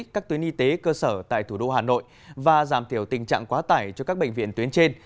các tuyến y tế cơ sở tại thủ đô hà nội và giảm thiểu tình trạng quá tải cho các bệnh viện tuyến trên